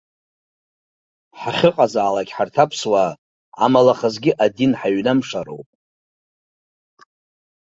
Ҳахьыҟазаалак ҳарҭ аԥсуаа амалахазгьы адин ҳаҩнамшароуп.